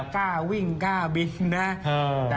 กล้าวิ่งกล้าบินนะ